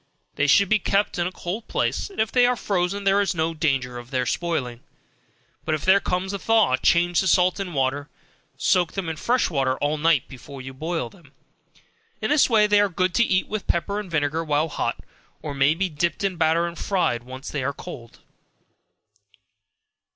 They should be kept in a cold place, and if they are frozen there is no danger of their spoiling, but if there comes on a thaw, change the salt and water, soak them in fresh water all night before you boil them. In this way they are good to eat with pepper and vinegar while hot, or may be dipped in batter and fried after they are cold.